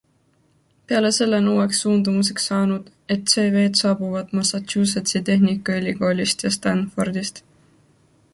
Peale selle on uueks suundumuseks saanud, et CVd saabuvad Massachusetsi tehnikaülikoolist ja Stanfordist.